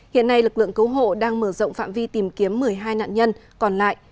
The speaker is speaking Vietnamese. hiện nay lực lượng cứu hộ đang mở rộng phạm vi tìm kiếm một mươi hai nạn nhân còn lại